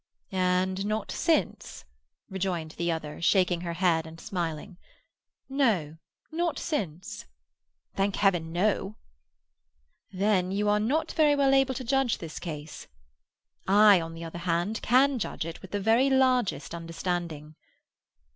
"And not since," rejoined the other, shaking her head and smiling. "No, not since?" "Thank Heaven, no!" "Then you are not very well able to judge this case. I, on the other hand, can judge it with the very largest understanding.